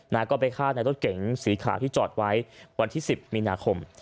แล้วก็ไปฆ่าในรถเก๋งสีขาวที่จอดไว้วันที่๑๐มีนาคม